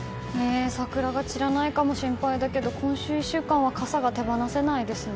桜が散らないかも心配だけど今週１週間は傘が手放せないですね。